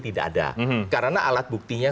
tidak ada karena alat buktinya